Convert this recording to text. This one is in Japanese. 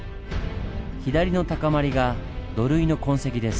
左の高まりが土塁の痕跡です。